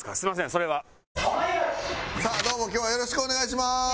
さあどうも今日はよろしくお願いします。